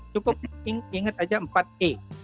cukup ingat aja empat e